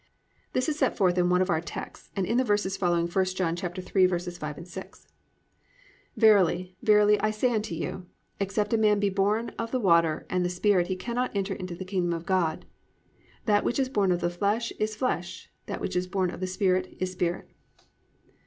This is set forth in one of our texts and in the verses following, 1 John 3:5, 6: +"Verily, Verily, I say unto you, except a man be born of water and the Spirit, he cannot enter into the kingdom of God. That which is born of the flesh is flesh; and that which is born of the Spirit is Spirit."